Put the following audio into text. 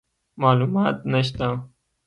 معلومات نشته،